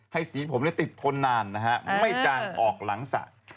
ให้สีผมได้ติดคนนานนะฮะไม่จางออกหลังศาสตร์